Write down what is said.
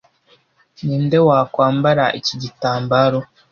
Ninde wakwambara iki igitambaro